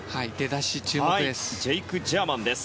ジェイク・ジャーマンです。